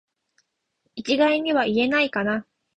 一概には言えないかな